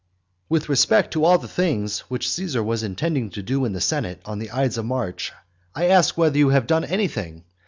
XXXV. With respect to all the things which Caesar was intending to do in the senate on the ides of March, I ask whether you have done anything?